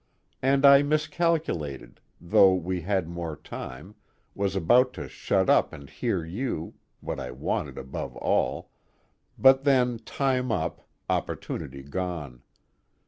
And I miscalculated, thought we had more time, was about to shut up and hear you (what I wanted above all) but then time up, opportunity gone.